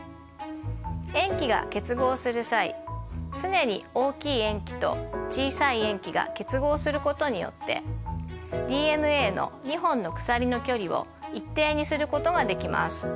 塩基が結合する際常に大きい塩基と小さい塩基が結合することによってＤＮＡの２本の鎖の距離を一定にすることができます。